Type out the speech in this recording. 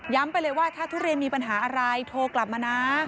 ไปเลยว่าถ้าทุเรียนมีปัญหาอะไรโทรกลับมานะ